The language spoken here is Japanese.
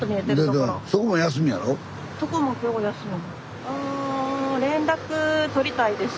そこも今日休み。